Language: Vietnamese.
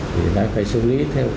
thì phải xử lý theo